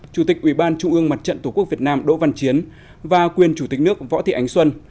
chủ tịch ubnd tqvn đỗ văn chiến và quyền chủ tịch nước võ thị ánh xuân